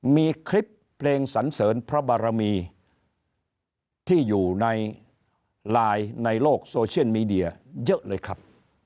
มีคลิปเพลงสันเสริญพระบารมีที่อยู่ในไลน์ในโลกโซเชียลมีเดียเยอะเลยครับ